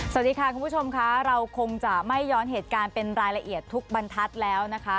สวัสดีค่ะคุณผู้ชมค่ะเราคงจะไม่ย้อนเหตุการณ์เป็นรายละเอียดทุกบรรทัศน์แล้วนะคะ